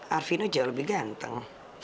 arvino jauh lebih ganteng